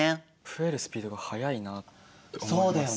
増えるスピードが速いなって思います。